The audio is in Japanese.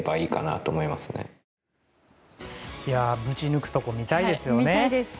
ぶち抜くところ見たいですよね。